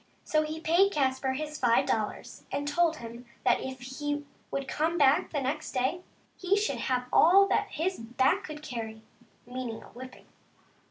So he paid Caspar his five dollars, and told him that if he would come back the next day he should have all that his back could carry — meaning a whipping.